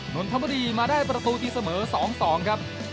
นนทบุรีมาได้ประตูตีเสมอ๒๒ครับ